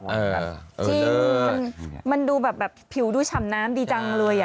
แฮะเออจริงมันดูแบบแบบผิวดูฉำน้ำดีจังเลย